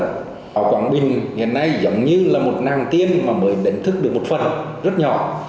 ở quảng bình hiện nay giống như là một nàng tiên mà mới đến thức được một phần rất nhỏ